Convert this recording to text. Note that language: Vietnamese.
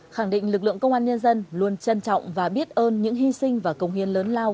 khẳng định lực lượng công an nhân dân luôn trân trọng và biết ơn những hy sinh và công hiến lớn lao